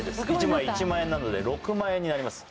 １枚１万円なので６万円になります